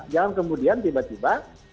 jangan kemudian tiba tiba